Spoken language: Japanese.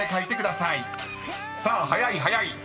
［さあ早い早い］